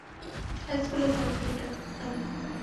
High স্কুলে থাকতে এটা পরতাম।